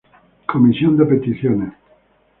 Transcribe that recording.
Comisión de Peticiones.